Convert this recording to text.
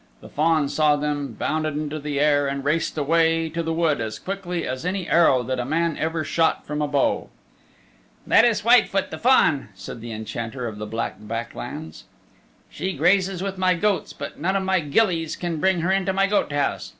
The fawn saw them, bounded into the air, and raced away to the wood as quickly as any arrow that a man ever shot from a bow. "That is Whitefoot the Fawn," said the Enchanter of the Black Back Lands. "She grazes with my goats but none of my gillies can bring her into my goat house.